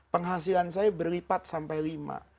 penghasilan saya berlipat sampai lima